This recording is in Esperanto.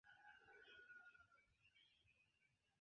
Vi volas flugi?